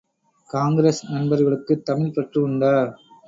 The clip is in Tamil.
காங்கிரஸ் நண்பர்களுக்குத் தமிழ்ப் பற்று உண்டா?